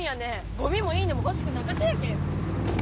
ゴミもいいねもほしくなかとやけん。